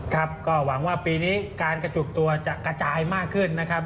ครับก็หวังว่าปีนี้การกระจุกตัวจะกระจายมากขึ้นนะครับ